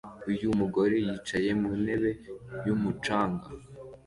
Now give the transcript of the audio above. Uyu mugore yicaye mu ntebe yumucanga